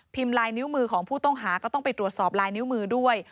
ลายนิ้วมือของผู้ต้องหาก็ต้องไปตรวจสอบลายนิ้วมือด้วย